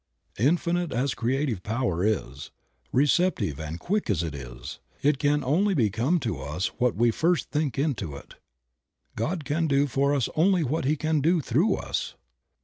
Infinite as Creative Power is, receptive and quick as it is, it can only become to us what we first think into it. God can do for us only what He can do through us.